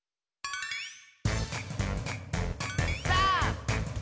さあ！